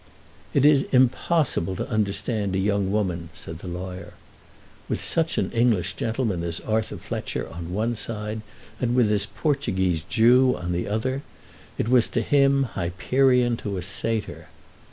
"It is impossible to understand a young woman," said the lawyer. With such an English gentleman as Arthur Fletcher on one side, and with this Portuguese Jew on the other, it was to him Hyperion to a Satyr.